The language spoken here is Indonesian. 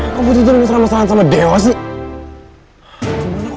kamu tidak masalah masalah dewasa